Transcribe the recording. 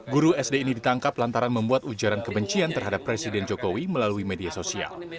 guru sd ini ditangkap lantaran membuat ujaran kebencian terhadap presiden jokowi melalui media sosial